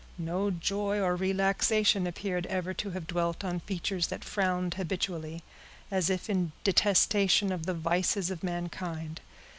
No joy or relaxation appeared ever to have dwelt on features that frowned habitually, as if in detestation of the vices of mankind.